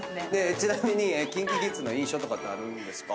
ちなみにＫｉｎＫｉＫｉｄｓの印象とかあるんですか？